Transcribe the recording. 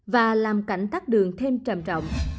và làm cảnh tắt đường thêm trầm trọng